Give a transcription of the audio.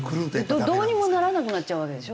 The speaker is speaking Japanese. どうにもならなくなっちゃうわけでしょ？